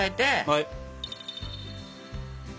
はい。